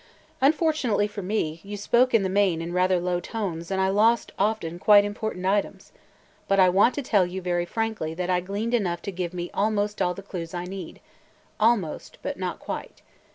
"Unfortunately for me, you spoke in the main in rather low tones and I lost often quite important items. But I want to tell you very frankly that I gleaned enough to give me almost all the clues I need – almost, but not quite.